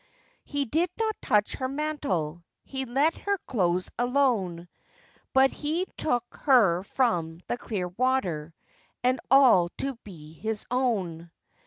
He did not touch her mantle, He let her clothes alone; But he took her from the clear water, And all to be his own.